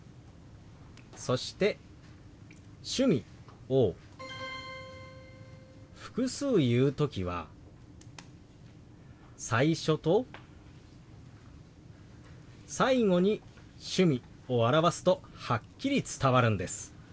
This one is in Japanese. そして「趣味」を複数言う時は最初と最後に「趣味」を表すとはっきり伝わるんです。